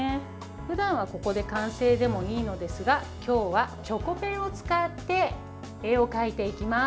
ふだんはここで完成でもいいのですが今日はチョコペンを使って絵を描いていきます。